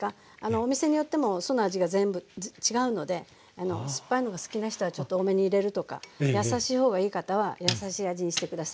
お店によっても酢の味が全部違うので酸っぱいのが好きな人はちょっと多めに入れるとか優しい方がいい方は優しい味にして下さい。